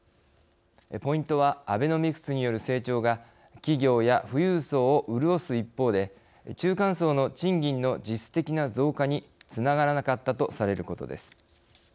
ポイントはアベノミクスによる成長が企業や富裕層を潤す一方で中間層の賃金の実質的な増加につながらなかったとされることです。